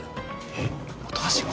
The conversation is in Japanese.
えっ本橋が？